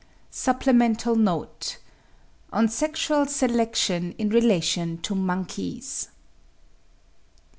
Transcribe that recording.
SUPPLEMENTAL NOTE. ON SEXUAL SELECTION IN RELATION TO MONKEYS.